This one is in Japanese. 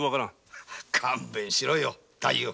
勘弁しろよ太夫。